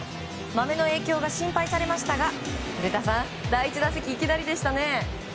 マメの影響が心配されましたが古田さん、第１打席いきなりでしたね。